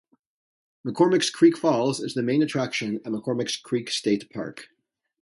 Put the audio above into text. McCormick's Creek Falls is the main attraction at McCormick's Creek State Park.